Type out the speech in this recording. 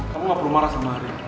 kamu gak perlu marah sama hari ini